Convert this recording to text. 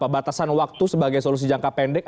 batasan waktu sebagai solusi jangka pendek